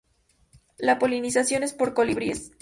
La polinización es por colibríes.